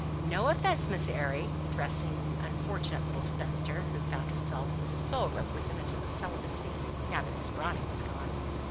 No offence, Miss Airy!" addressing an unfortunate little spinster, who found herself the sole representative of celibacy now that Miss Browning was gone.